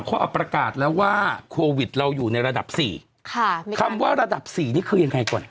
เขาเอาประกาศแล้วว่าโควิดเราอยู่ในระดับสี่ค่ะคำว่าระดับสี่นี่คือยังไงก่อน